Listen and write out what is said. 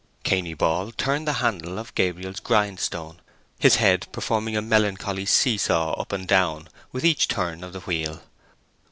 Cainy Ball turned the handle of Gabriel's grindstone, his head performing a melancholy see saw up and down with each turn of the wheel.